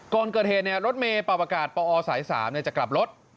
ก่อนเกิดเหตุรถเมย์ปรับอากาศปอสาย๓จะกลับรถ